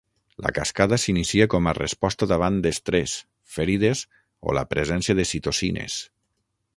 La cascada s’inicia com a resposta davant d'estrés, ferides o la presència de citocines.